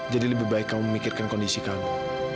jadi lebih baik kamu memikirkan kondisi kamu